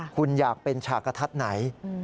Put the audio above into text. คุณอยากเป็นฉากกระทัดไหน